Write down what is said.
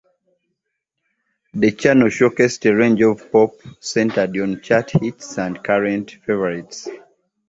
The channel showcased a range of pop centred on chart hits and current favourites.